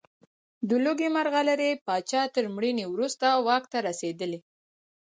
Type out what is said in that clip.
د لوګي مرغلرې پاچا تر مړینې وروسته واک ته رسېدلی.